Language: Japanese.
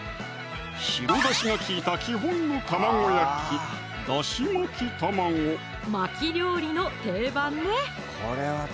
白だしが利いた基本の玉子焼き巻き料理の定番ね